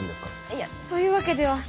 いやそういうわけでは。